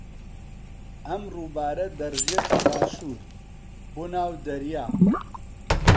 ئەم ڕووبارە دەڕژێتە باشوور بۆ ناو دەریا.